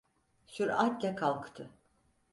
Süratle kalktı.